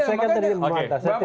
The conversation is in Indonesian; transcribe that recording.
saya kan tadi mematah